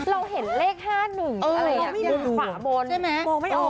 เราเห็นเลข๕๑อะไรอย่างกันขวาบนมองไม่ออก